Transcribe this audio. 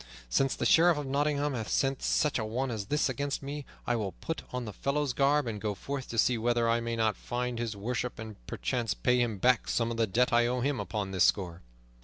Since the Sheriff of Nottingham hath sent such a one as this against me, I will put on the fellow's garb and go forth to see whether I may not find his worship, and perchance pay him back some of the debt I owe him upon this score."